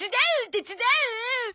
手伝う！